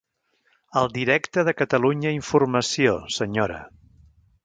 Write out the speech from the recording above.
Al directe de Catalunya Informació, senyora.